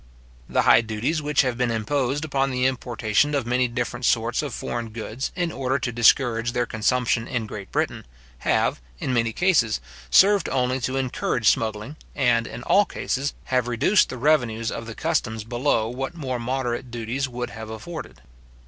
The high duties which have been imposed upon the importation of many different sorts of foreign goods in order to discourage their consumption in Great Britain, have, in many cases, served only to encourage smuggling, and, in all cases, have reduced the revenues of the customs below what more moderate duties would have afforded.